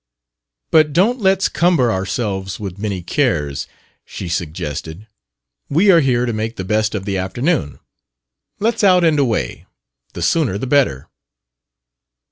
"But don't let's cumber ourselves with many cares," she suggested; "we are here to make the best of the afternoon. Let's out and away, the sooner the better."